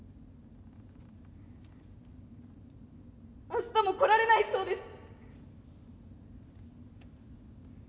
明日も来られないそうです。